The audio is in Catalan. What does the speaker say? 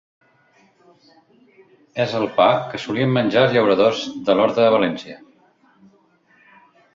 És el pa que solien menjar els llauradors de l'Horta de València.